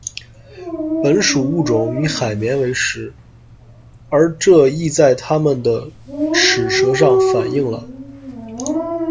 本属物种以海绵为食，而这亦在它们的齿舌上反映了。